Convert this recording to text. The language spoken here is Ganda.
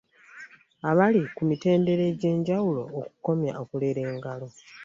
Abali ku mitendera egyenjawulo okukomya okulera engalo